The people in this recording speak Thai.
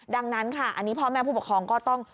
ดังนั้นค่ะอันนี้พ่อแม่ผู้ปกครองก็ต้อง